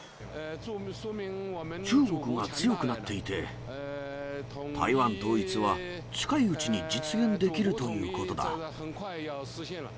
中国が強くなっていて、台湾統一は、近いうちに実現できるということだ。